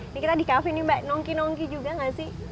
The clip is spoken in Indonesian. ini kita di cafe nih mbak nongki nongki juga gak sih